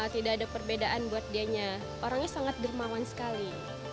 tidak ada perbedaan buat dianya orangnya sangat dermawan sekali